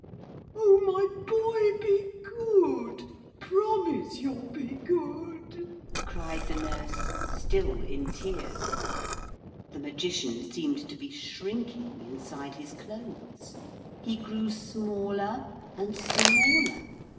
'Oh, my boy be good! Promise you'll be good,' cried the nurse, still in tears. The Magician seemed to be shrinking inside his clothes. He grew smaller and smaller.